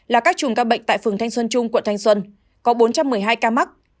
là các chùm ca bệnh tại phường thanh xuân trung quận thanh xuân có bốn trăm một mươi hai ca mắc